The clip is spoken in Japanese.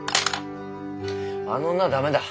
あの女は駄目だ。